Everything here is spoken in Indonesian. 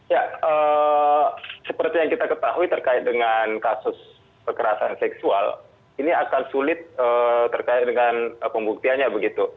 ya seperti yang kita ketahui terkait dengan kasus kekerasan seksual ini akan sulit terkait dengan pembuktiannya begitu